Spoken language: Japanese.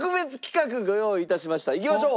いきましょう！